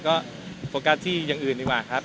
ก็โฟกัสที่อย่างอื่นดีกว่าครับ